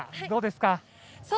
どうですか？